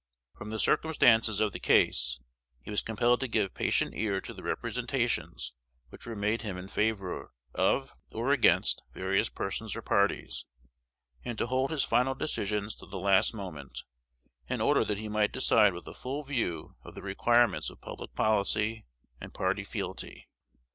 From the circumstances of the case, he was compelled to give patient ear to the representations which were made him in favor of or against various persons or parties, and to hold his final decisions till the last moment, in order that he might decide with a full view of the requirements of public policy and party fealty.